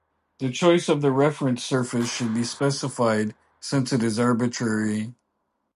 The choice of the reference surface should be specified since it is arbitrary.